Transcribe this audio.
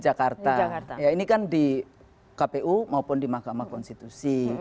ya ini kan di kpu maupun di magama konstitusi